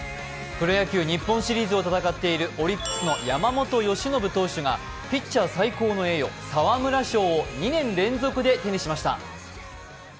プロ野球・日本シリーズを戦っているオリックスの山本由伸選手がピッチャー最高の栄誉沢村賞を２年連続で手にしました。